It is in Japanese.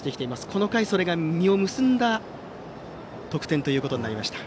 この回、それが実を結んだ得点となりました。